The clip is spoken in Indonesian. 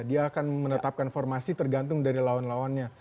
dia akan menetapkan formasi tergantung dari lawan lawannya